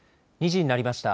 ２時になりました。